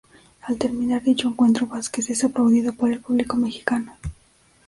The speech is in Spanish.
Al terminar dicho encuentro Vásquez es aplaudido por el público mexicano.